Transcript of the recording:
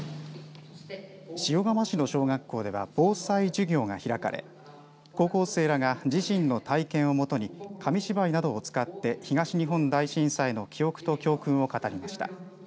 塩釜市の小学校では防災授業が開かれ高校生らが自身の体験をもとに紙芝居などを使って東日本大震災の記憶と教訓を語りました。